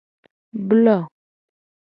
Blo.